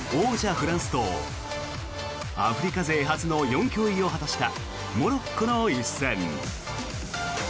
フランスとアフリカ勢初の４強入りを果たしたモロッコの一戦。